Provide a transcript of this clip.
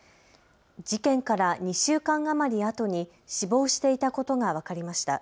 事件から２週間余りあとに死亡していたことが分かりました。